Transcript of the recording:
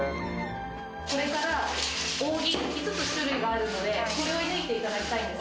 これから扇が５つ種類があるので、これを射抜いていただきたいんです。